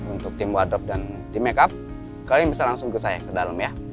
untuk tim wadrop dan tim make up kalian bisa langsung ke saya ke dalam ya